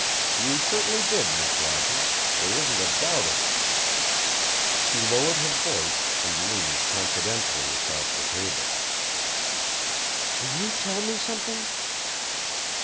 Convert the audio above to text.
"You certainly did, Miss Rogers. There isn't a doubt of it." She lowered her voice and leaned confidentially across the table. "Will you tell me something?"